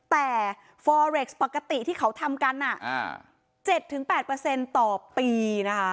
แต่ฟอเร็กซ์ปกติที่เขาทำกัน๗๘ต่อปีนะคะ